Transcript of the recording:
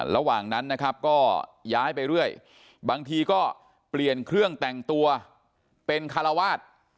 ระหว่างนั้นนะครับก็ย้ายไปเรื่อยบางทีก็เปลี่ยนเครื่องแต่งตัวเป็นคารวาส